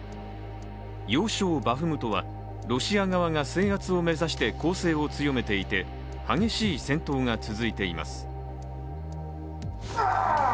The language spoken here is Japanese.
要衝バフムトはロシア側が制圧を目指して攻勢を強めていて、激しい戦闘が続いています。